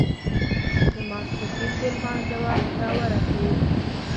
د ماسپښين د لمانځه وخت را ورسېد.